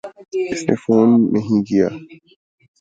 اس نے فون نہیں کیا۔